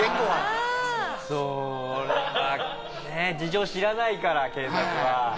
それはね事情知らないから警察は。